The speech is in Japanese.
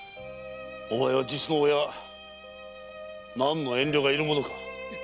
お前は実の親何の遠慮がいるものか。